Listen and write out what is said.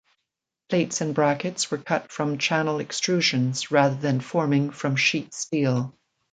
Plates and brackets were cut from channel extrusions rather than forming from sheet steel.